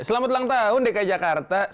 selamat ulang tahun dki jakarta